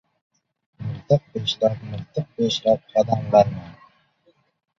Miltiq peshlab-miltiq peshlab qadamlayman.